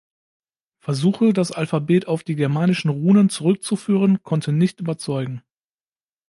Versuche, das Alphabet auf die germanischen Runen zurückzuführen, konnten nicht überzeugen.